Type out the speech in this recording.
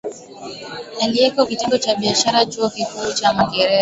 aliyeko Kitengo cha Biashara Chuo Kikuu cha Makerere